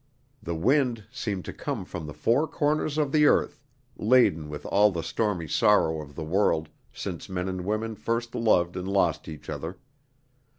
The wind seemed to come from the four corners of the earth, laden with all the stormy sorrow of the world since men and women first loved and lost each other.